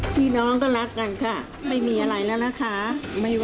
ไม่รักและไม่กระตันอยู่กับแม่เลยค่ะ